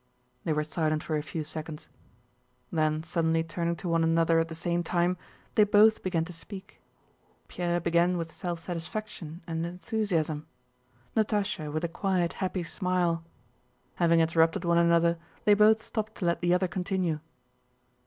They were silent for a few seconds. Then suddenly turning to one another at the same time they both began to speak. Pierre began with self satisfaction and enthusiasm, Natásha with a quiet, happy smile. Having interrupted one another they both stopped to let the other continue.